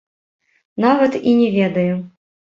Нават і не ведаю.